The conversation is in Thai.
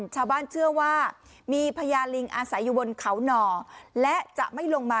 ชาวบ้านเชื่อว่ามีพญาลิงอาสีอยู่บนเขาหน่อ